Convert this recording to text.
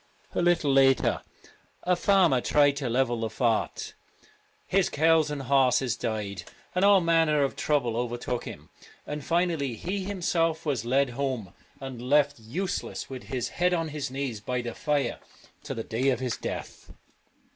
A little later a farmer tried to level the fort. His cows and horses died, and all manner of trouble overtook him, and finally he him self was led home, and left useless with 150 1 his head on his knees by the fire to the Drumcliff and Rosses, day of his death.'